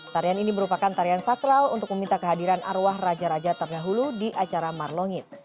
tarian ini merupakan tarian sakral untuk meminta kehadiran arwah raja raja terdahulu di acara marlongit